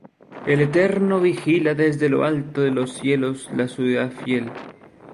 El Eterno vigila desde lo alto de los cielos la ciudad fiel.